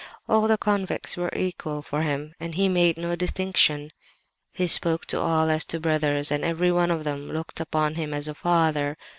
All the convicts were equal for him, and he made no distinction. He spoke to all as to brothers, and every one of them looked upon him as a father.